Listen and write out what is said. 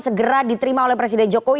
segera diterima oleh presiden jokowi